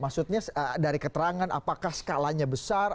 maksudnya dari keterangan apakah skalanya besar